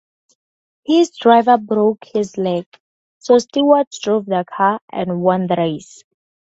His driver broke his leg, so Stewart drove the car, and won the race.